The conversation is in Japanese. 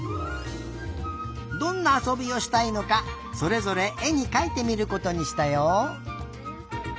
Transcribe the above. どんなあそびをしたいのかそれぞれえにかいてみることにしたよ。